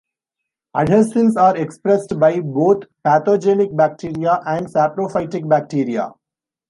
Adhesins are expressed by both pathogenic bacteria and saprophytic bacteria.